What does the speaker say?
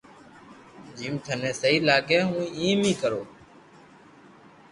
جيم ٿني سھي لاگي ھون ايم اي ڪرو